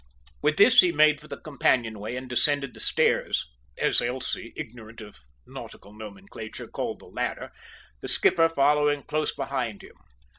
With this he made for the companion way and descended the "stairs," as Elsie, ignorant of nautical nomenclature, called the ladder, the skipper following close behind him.